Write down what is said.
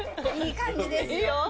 いい感じですよ。